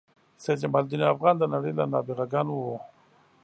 سید جمال الدین افغان د نړۍ له نابغه ګانو و.